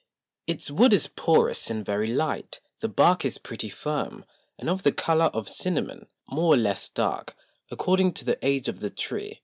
Its Wood is porous, and very light; the Bark is pretty firm, and of the Colour of Cinnamon, more or less dark, according to the Age of the Tree.